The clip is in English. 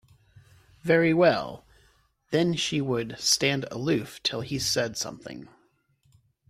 Very well; then she would stand aloof till he said something.